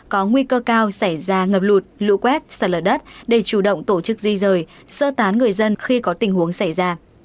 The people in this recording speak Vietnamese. có nguy cơ cao xảy ra ngập lụt lũ quét sạt lở đất để chủ động tổ chức di rời sơ tán người dân khi có tình huống xảy ra